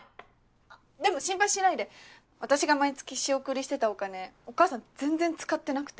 でも心配しないで私が毎月仕送りしてたお金お母さん全然使ってなくて。